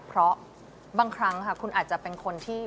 เพราะบางครั้งค่ะคุณอาจจะเป็นคนที่